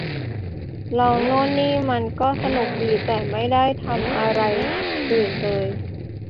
ลองโน่นนี่มันก็สนุกดี แต่ไม่ได้ทำอะไรอื่นเลย